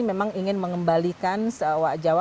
memang ingin mengembalikan owak jawa